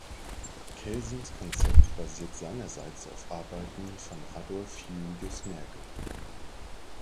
Kelsens Konzept basiert seinerseits auf Arbeiten von Adolf Julius Merkl.